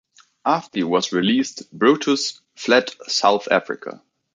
After he was released, Brutus fled South Africa.